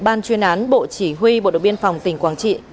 ban chuyên án bộ chỉ huy bộ đội biên phòng tỉnh quảng trị